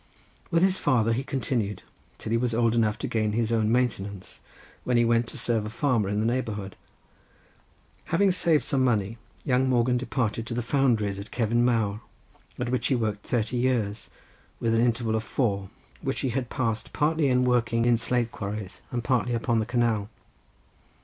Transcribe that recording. With his father he continued till he was old enough to gain his own maintenance, when he went to serve a farmer in the neighbourhood. Having saved some money, young Morgan departed to the foundries at Cefn Mawr, at which he worked thirty years, with an interval of four, which he had passed partly working in slate quarries, and partly upon the canal.